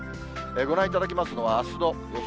ご覧いただきますのは、あすの予想